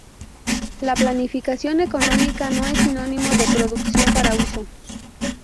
La planificación económica no es sinónimo de producción para uso.